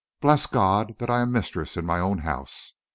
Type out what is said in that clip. Bless God that I am mistress in my own house!